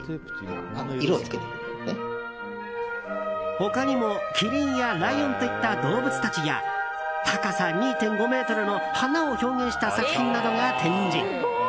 他にもキリンやライオンといった動物たちや高さ２．５ｍの花を表現した作品などが展示。